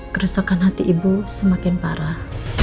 kerusakan hati ibu semakin parah